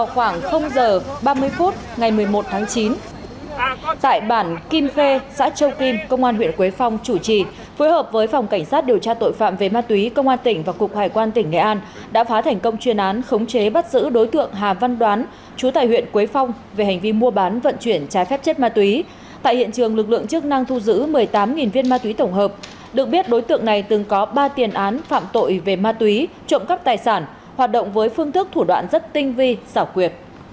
công an huyện quế phong nghệ an chủ trì phối hợp với phòng cảnh sát điều tra tội phạm về ma túy công an tỉnh và cục hải quan nghệ an vừa phá thành công chuyên án bắt giữ một đối tượng về hành vi mua bán vận chuyển trái phép chất ma túy thu giữ một đối tượng về hành vi mua bán vận chuyển trái phép chất ma túy thu giữ một đối tượng về hành vi mua bán vận chuyển trái phép chất ma túy